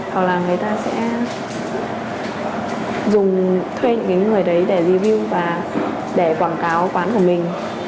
hoặc là người ta sẽ thuê những người đấy để review và để quảng cáo quán của mình